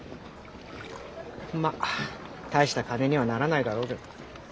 まっ大した金にはならないだろうけど。